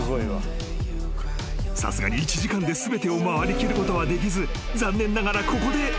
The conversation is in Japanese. ［さすがに１時間で全てを回りきることはできず残念ながらここで］